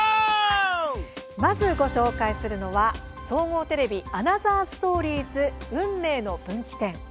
まず、ご紹介するのは総合テレビ「アナザーストーリーズ運命の分岐点」。